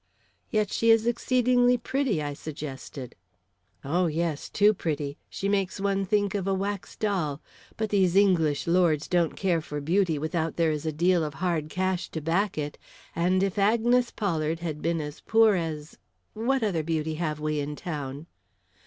"Yet she is exceedingly pretty," I suggested. "Oh, yes, too pretty; she makes one think of a wax doll. But these English lords don't care for beauty without there is a deal of hard cash to back it, and if Agnes Pollard had been as poor as what other beauty have we in town?"